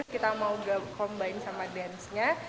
kita mau combine sama glansnya